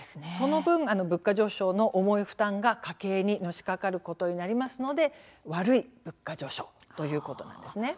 その分物価上昇の重い負担が家計にのしかかることになりますので悪い物価上昇ということなんです。